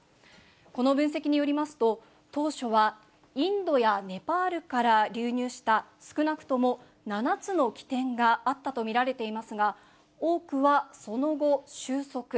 この分析によりますと、当初は、インドやネパールから流入した、少なくとも７つの起点があったと見られていますが、多くはその後、終息。